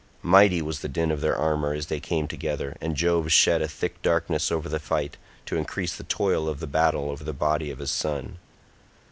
Mighty was the din of their armour as they came together, and Jove shed a thick darkness over the fight, to increase the toil of the battle over the body of his son.